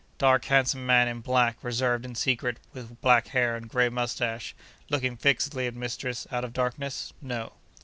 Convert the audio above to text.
Dark, handsome man in black, reserved and secret, with black hair and grey moustache, looking fixedly at mistress out of darkness?—no.